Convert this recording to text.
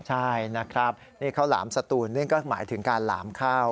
ใช่นะครับนี่ข้าวหลามสตูนนั่นก็หมายถึงการหลามข้าว